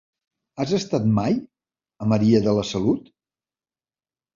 Has estat mai a Maria de la Salut?